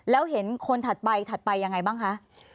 แล้วเห็นคนถัดไปถัดไปยังไงบ้างคะ